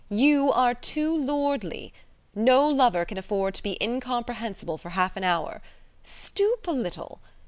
You are too lordly. No lover can afford to be incomprehensible for half an hour. Stoop a little.